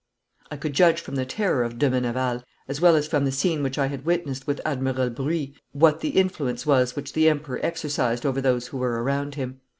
I could judge from the terror of de Meneval, as well as from the scene which I had witnessed with Admiral Bruix, what the influence was which the Emperor exercised over those who were around him.